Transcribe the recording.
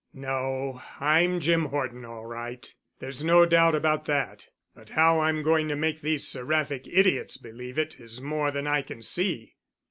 "No, I'm Jim Horton all right, there's no doubt about that, but how I'm going to make these seraphic idiots believe it is more than I can see.